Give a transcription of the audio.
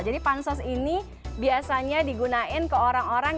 jadi pansos ini biasanya digunain ke orang orang